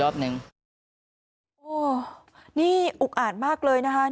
มีการฆ่ากันห้วย